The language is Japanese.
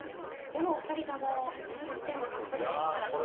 でもお二人とも１０点を獲得ですから。